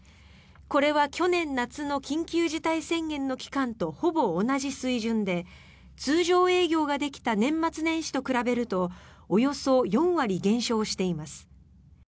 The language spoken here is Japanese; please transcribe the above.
これは去年夏の緊急事態宣言の期間とほぼ同じ水準で通常営業ができた年末年始と比べるとおよそ４割減少しています。